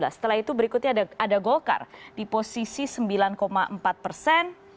setelah itu berikutnya ada golkar di posisi sembilan empat persen